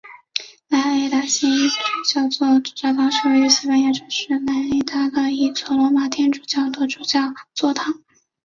莱里达新主教座堂是位于西班牙城市莱里达的一座罗马天主教的主教座堂。